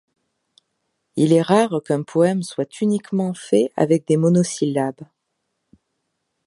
Il est rare qu'un poème soit uniquement fait avec des monosyllabes.